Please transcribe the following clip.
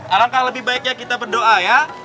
alangkah lebih baiknya kita berdoa ya